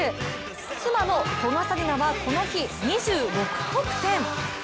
妻の古賀紗理那はこの日２６得点。